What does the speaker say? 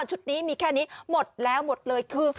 ชุดนี้มีแค่นี้หมดแล้วหมดเลยคือ